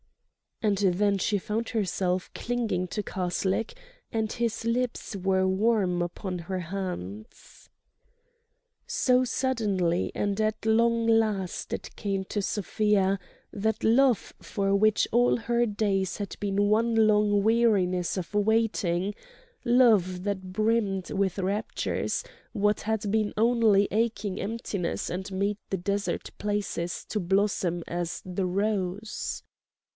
And then she found herself clinging to Karslake; and his lips were warm upon her hands ... So suddenly and at long last it came to Sofia, that Love for which all her days had been one long weariness of waiting, Love that brimmed with raptures what had been only aching emptiness and made the desert places to blossom as the rose.